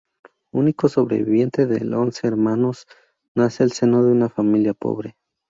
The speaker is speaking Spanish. Único superviviente de once hermanos, nace en el seno de una familia pobre.